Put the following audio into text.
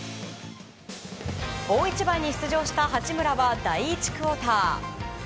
大一番に出場した八村は第１クオーター。